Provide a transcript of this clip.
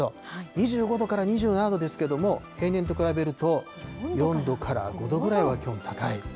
２５度から２７度ですけれども、平年と比べると、４度から５度ぐらい気温が高い。